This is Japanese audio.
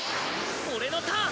俺のターン！